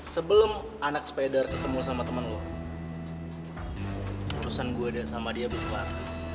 sebelum anak spider ketemu sama temen lo urusan gue sama dia udah keluar